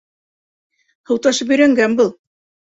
Һыу ташып өйрәнгән был.